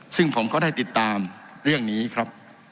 ซึ่งผมก็ได้ติดตามเรื่องนี้ครับ